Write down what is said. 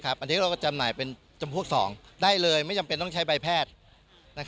อันนี้เราก็จำหน่ายเป็นจำพวก๒ได้เลยไม่จำเป็นต้องใช้ใบแพทย์